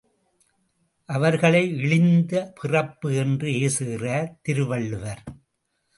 அவர்களை இழிந்த பிறப்பு என்று ஏசுகிறார் திருவள்ளுவர்.